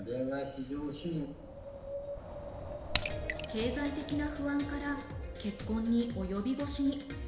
経済的な不安から結婚に及び腰に。